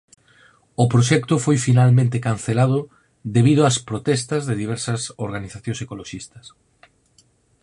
O proxecto foi finalmente cancelado debido ás protestas de diversas organizacións ecoloxistas.